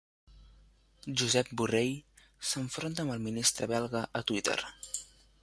Josep Borrell s'enfronta amb el ministre belga a Twitter